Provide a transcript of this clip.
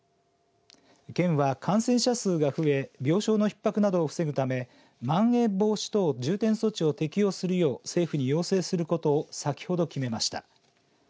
県は感染者数が増え病床のひっ迫などを防ぐためまん延防止等重点措置を適用するよう、政府に要請することを先ほど決めました。